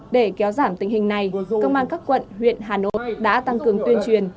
để kéo giảm tình hình này cơ quan các quận huyện hà nội đã tăng cường tuyên truyền